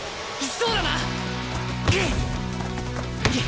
そうだな！？